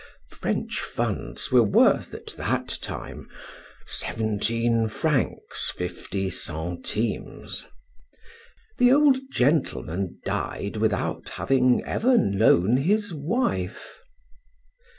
French funds were worth at that time seventeen francs, fifty centimes. The old gentleman died without having ever known his wife.